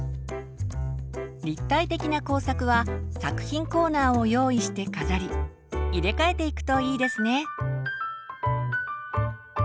立体的な工作は作品コーナーを用意して飾り入れ替えていくといいですね。